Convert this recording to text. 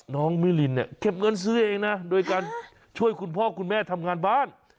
มิลินเนี่ยเก็บเงินซื้อเองนะโดยการช่วยคุณพ่อคุณแม่ทำงานบ้าน